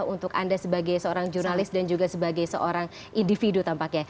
untuk anda sebagai seorang jurnalis dan juga sebagai seorang individu tampaknya